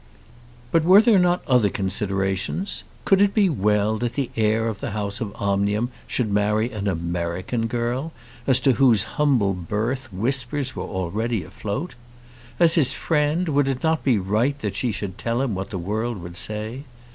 But were there not other considerations? Could it be well that the heir of the house of Omnium should marry an American girl, as to whose humble birth whispers were already afloat? As his friend, would it not be right that she should tell him what the world would say?